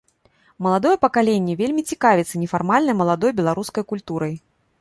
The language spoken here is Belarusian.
Маладое пакаленне вельмі цікавіцца нефармальнай маладой беларускай культурай.